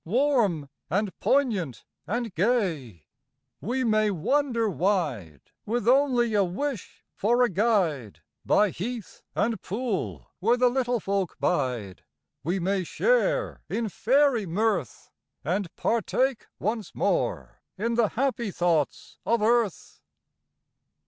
Warm and poignant and gay; We may wander wide. With only a wish for a guide, By heath and pool where the Little Folk bide. We may share in fairy mirth. And partake once more in the happy thoughts of earth.